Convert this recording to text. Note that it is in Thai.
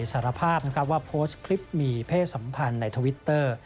สารภาพว่าโพสต์คลิปมีเพศสัมพันธ์ในทวิตเตอร์